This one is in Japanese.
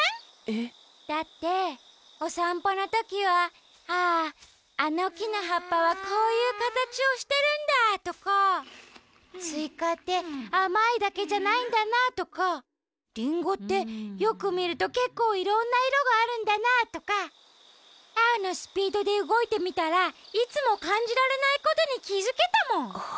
えっ？だっておさんぽのときは「あああのきのはっぱはこういうかたちをしてるんだ」とか「スイカってあまいだけじゃないんだな」とか「リンゴってよくみるとけっこういろんないろがあるんだな」とかアオのスピードでうごいてみたらいつもかんじられないことにきづけたもん。